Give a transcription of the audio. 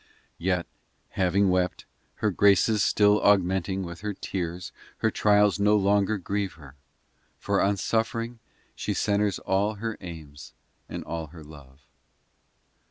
XIV Yet having wept, Her graces still augmenting with her tears, Her trials no longer grieve her, For on suffering She centres all her aims and all her love.